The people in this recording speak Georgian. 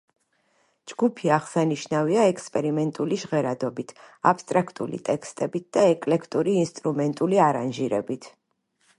ჯგუფი აღსანიშნავია ექსპერიმენტული ჟღერადობით, აბსტრაქტული ტექსტებით და ეკლექტური ინსტრუმენტული არანჟირებით.